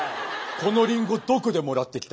このリンゴどこでもらってきたんだよ。